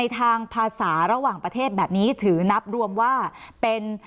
ทางภาษาระหว่างประเทศแบบนี้ถือนับรวมว่าเป็น